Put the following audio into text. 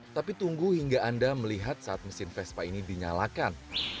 tapi tunggu hingga anda melihat saat mesin vespa ini dinyalakan